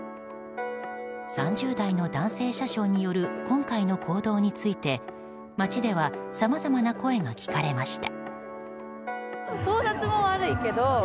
３０代の男性車掌による今回の行動について街ではさまざまな声が聞かれました。